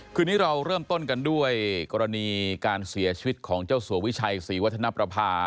คืนนี้เราเริ่มต้นกันด้วยกรณีการเสียชีวิตของเจ้าสัววิชัยศรีวัฒนประภา